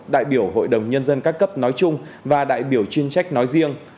đại biểu hội đồng nhân dân các cấp nói chung và đại biểu chuyên trách nói riêng